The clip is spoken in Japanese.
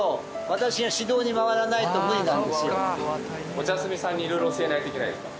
お茶摘みさんに色々教えないといけないんですか？